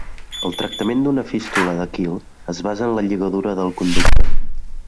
El tractament d'una fístula de quil es basa en la lligadura del conducte.